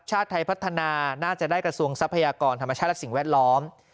ชาติไทยพัฒนาน่าจะได้กระทรวงทรัพยากรธรรมชาติและสิ่งแวดล้อม